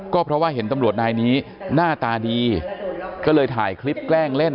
ก็เพราะว่าเห็นตำรวจนายนี้หน้าตาดีก็เลยถ่ายคลิปแกล้งเล่น